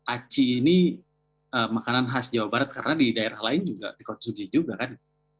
aci ini makanan khas jawa barat karena di daerah lain juga dikonsumsi juga kan